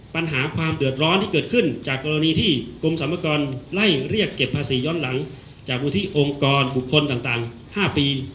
ปัญหาความเดือดร้อนที่เกิดขึ้นจากกรณีที่กรมสรรพากรไล่เรียกเก็บภาษีย้อนหลังจากวุฒิองค์กรบุคคลต่าง๕ปี